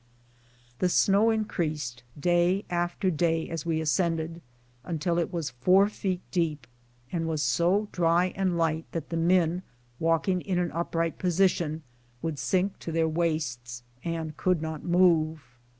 The snow increased day after day as we ascended, until it was four feet deep, and was so dry and light that the men, walking in an upright position, would sink to their waists, and could not move.